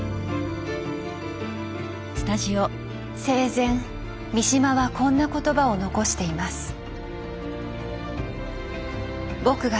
生前三島はこんな言葉を残しています。